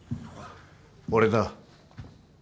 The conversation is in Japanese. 俺だ。